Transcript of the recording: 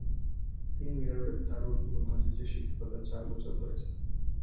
তিনি মীরা রোডের দারুল উলূম আজিজিয়ায় শিক্ষকতা চার বছর করেছেন।